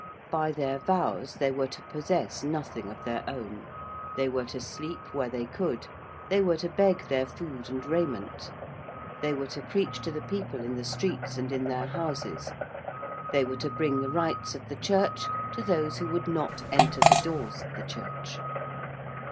By their vows they were to possess nothing of their own: they were to sleep where they could: they were to beg their food and raiment: they were to preach to the people in the streets and in their houses: they were to bring the rites of the Church to those who would not enter the doors of the Church.